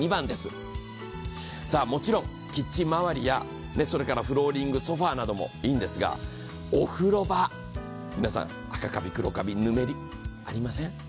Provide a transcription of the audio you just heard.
もちろんキッチン回りやフローリングやソファーなどもいいんですが、お風呂場、皆さん、赤かび、黒かび、ぬめりありません？